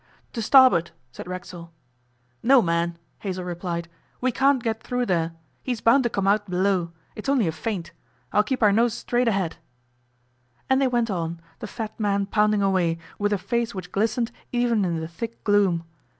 'To starboard,' said Racksole. 'No, man!' Hazell replied; 'we can't get through there. He's bound to come out below; it's only a feint. I'll keep our nose straight ahead.' And they went on, the fat man pounding away, with a face which glistened even in the thick gloom.